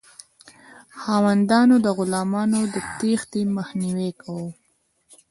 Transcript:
خاوندانو د غلامانو د تیښتې مخنیوی کاوه.